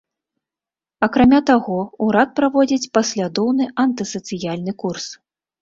Акрамя таго, урад праводзіць паслядоўны антысацыяльны курс.